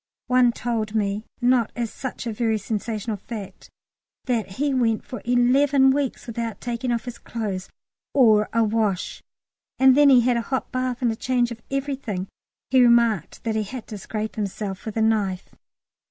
One told me not as such a very sensational fact that he went for eleven weeks without taking off his clothes, or a wash, and then he had a hot bath and a change of everything. He remarked that he had to scrape himself with a knife.